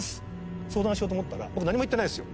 相談しようと思ったら僕何も言ってないですよ？